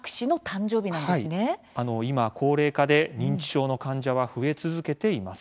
今高齢化で認知症の患者は増え続けています。